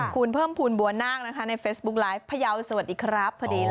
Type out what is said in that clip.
คุณเพิ่มภูมิบัวนาคนะคะในเฟซบุ๊คไลฟ์พยาวสวัสดีครับ